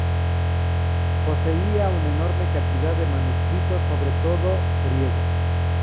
Poseía una enorme cantidad de manuscritos, sobre todo griegos.